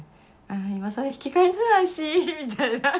今更引き返せないしみたいな。